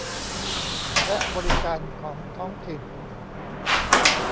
และบริการของท้องถิ่น